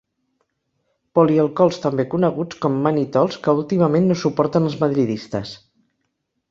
Polialcohols també coneguts com mannitols que últimament no suporten els madridistes.